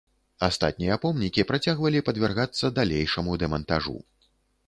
Астатнія помнікі працягвалі падвяргацца далейшаму дэмантажу.